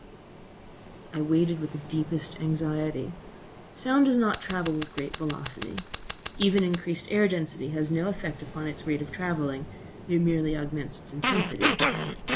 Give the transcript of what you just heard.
I waited with the deepest anxiety. Sound does not travel with great velocity. Even increased density air has no effect upon its rate of travelling; it merely augments its intensity.